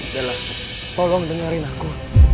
bella tolong dengerin aku